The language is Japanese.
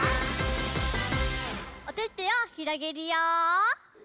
おててをひろげるよ！